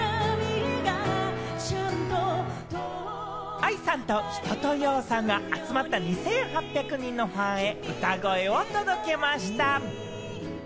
ＡＩさんと一青窈さんが集まった２８００人のファンへ、歌声を届けました。